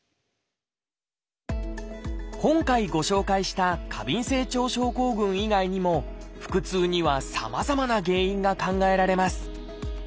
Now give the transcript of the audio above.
今回ご紹介した過敏性腸症候群以外にも腹痛にはさまざまな原因が考えられます